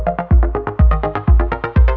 hai gak papa mah aman aku cerah